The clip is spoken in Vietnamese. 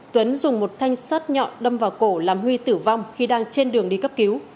tuấn dùng một thanh sắt nhọn đâm vào cổ làm huy tử vong khi đang trên đường đi cấp cứu